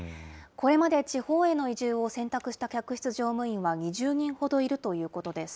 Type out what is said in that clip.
これまで地方への移住を選択した客室乗務員は、２０人ほどいるということです。